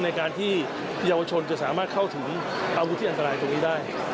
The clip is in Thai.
ในการที่เยาวชนจะสามารถเข้าถึงอาวุธที่อันตรายตรงนี้ได้